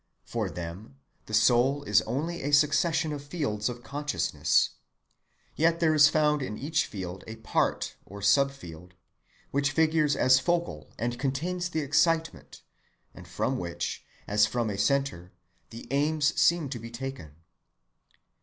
For them the soul is only a succession of fields of consciousness: yet there is found in each field a part, or sub‐field, which figures as focal and contains the excitement, and from which, as from a centre, the aim seems to be taken.